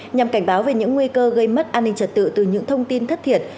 nhằm cảnh báo về những nguy cơ gây mất an ninh trật tự từ những thông tin thất thiệt